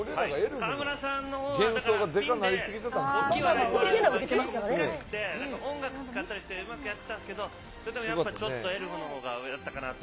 河邑さんのほうは、だから、ピンで大きい笑い取るのが結構難しくて、なんか音楽使ったりして、うまくやってたんですけど、それでもやっぱりちょっとエルフのほうが上だったかなと。